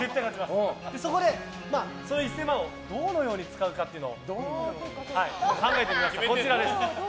そこで、その１０００万をどのように使うかというのを考えてきました、こちらです。